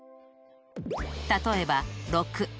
例えば６。